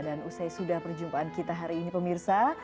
dan usai sudah perjumpaan kita hari ini pemirsa